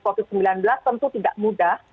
covid sembilan belas tentu tidak mudah